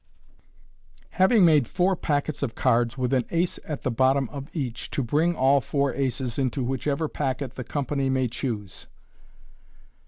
Having made Four Packets op Cards with aw Acb at thb bottom op eatjh, to bring all four aces into whichever Packet the C >mpant mat choose.